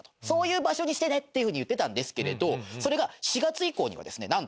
そういう場所にしてねっていう風に言ってたんですけれどそれが４月以降にはですね